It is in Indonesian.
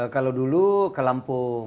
kalau dulu ke lampung